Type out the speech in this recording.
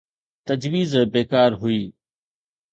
تجويز بيڪار هئي.